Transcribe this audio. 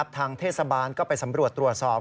ทางเทศบาลก็ไปสำรวจตรวจสอบ